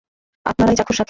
আপনারাই চাক্ষুষ সাক্ষী।